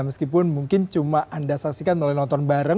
meskipun mungkin cuma anda saksikan melalui nonton bareng